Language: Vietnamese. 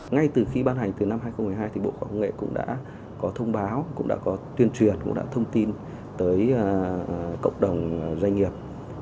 ngay từ khi ban hành từ năm hai nghìn một mươi hai thì bộ quản nghệ cũng đã có thông báo cũng đã có tuyên truyền cũng đã có thông tin tới cộng đồng doanh nghiệp